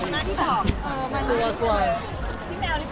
พี่เอ็มเค้าเป็นระบองโรงงานหรือเปลี่ยนไงครับ